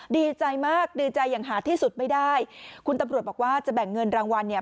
ดีใจมากดีใจอย่างหาที่สุดไม่ได้คุณตำรวจบอกว่าจะแบ่งเงินรางวัลเนี่ย